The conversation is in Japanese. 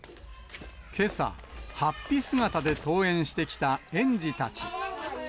けさ、はっぴ姿で登園してきた園児たち。